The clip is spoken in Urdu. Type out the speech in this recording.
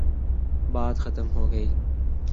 بات ختم ہو گئی۔